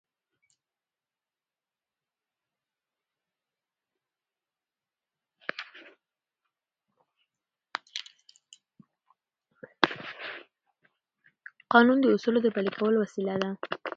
قانون د اصولو د پلي کولو وسیله ده.